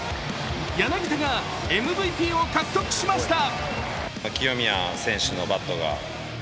柳田がＭＶＰを獲得しました。